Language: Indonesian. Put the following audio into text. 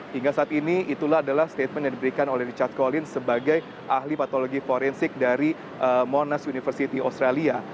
hingga saat ini itulah adalah statement yang diberikan oleh richard colin sebagai ahli patologi forensik dari monas university australia